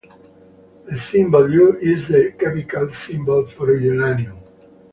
The symbol 'U' is the chemical symbol for uranium.